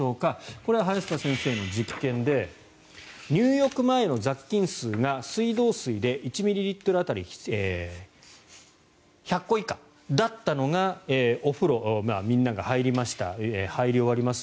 これは早坂先生の実験で入浴前の雑菌数が水道水で１ミリリットル当たり１００個以下だったのがお風呂、みんなが入りました入り終わります。